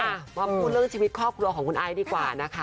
วันนี้คุณพูดเรื่องชีวิตครอบครัวของคุณไอ้ดีกว่านะคะ